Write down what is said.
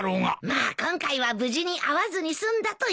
まあ今回は無事に会わずに済んだということで。